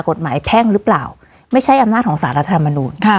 แพ่งหรือเปล่าไม่ใช่อำนาจของสารรัฐธรรมนูล